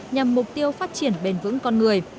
nhằm mục tiêu phát triển bền vững con người